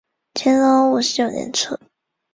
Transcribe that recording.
乾隆五十九年卒。